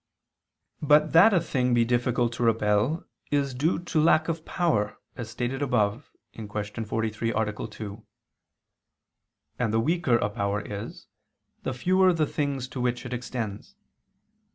But that a thing be difficult to repel is due to lack of power, as stated above (Q. 43, A. 2): and the weaker a power is, the fewer the things to which it extends.